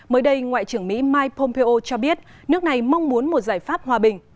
mới đây ngoại trưởng mỹ mike pompeo cho biết nước này mong muốn một giải pháp hòa bình